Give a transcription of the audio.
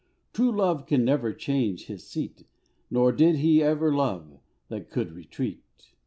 True love can never change his seat ; Nor did he ever love that can retreat.